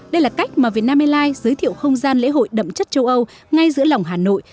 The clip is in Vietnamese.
đây là cách mà việt nam airlines giới thiệu không gian lễ hội đậm chất châu âu ngay giữa lòng hà nội